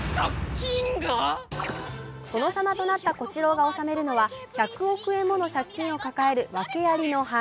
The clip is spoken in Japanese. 殿様となった小四郎が治めるのは１００億円もの借金を抱えるワケありの藩。